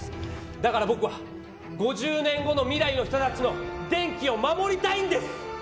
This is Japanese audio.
だからぼくは５０年後の未来の人たちの電気を守りたいんです！